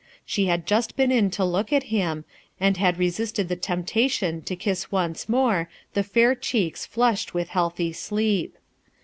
She had just been in to look at him, and had resisted the temptation to kiss once more the fair cheeks flushed with healthy sleep.